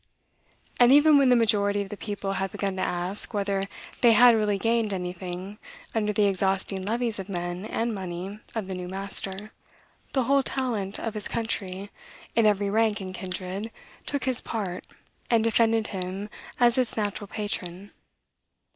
And even when the majority of the people had begun to ask, whether they had really gained anything under the exhausting levies of men and money of the new master, the whole talent of the country, in every rank and kindred, took his part, and defended him as its natural patron.